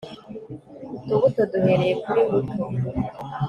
utubuto duhereye kuri buto